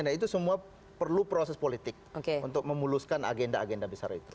nah itu semua perlu proses politik untuk memuluskan agenda agenda besar itu